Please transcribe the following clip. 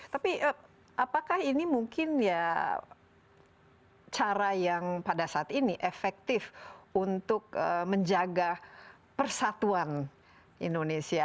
tapi apakah ini mungkin ya cara yang pada saat ini efektif untuk menjaga persatuan indonesia